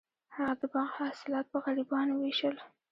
هغه د باغ حاصلات په غریبانو ویشل.